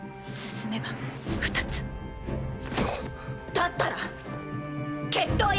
だったら決闘よ。